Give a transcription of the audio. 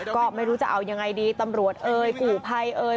ก็ไม่รู้จะเอายังไงดีตำรวจเอ่ยกู่ภัยเอ่ย